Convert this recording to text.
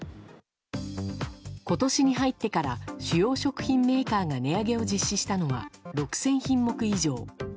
今年に入ってから主要食品メーカーが値上げを実施したのは６０００品目以上。